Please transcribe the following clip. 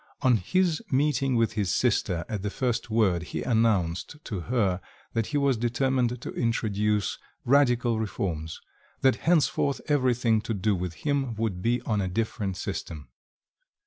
On his meeting with his sister, at the first word he announced to her that he was determined to introduce radical reforms, that henceforth everything to do with him would be on a different system.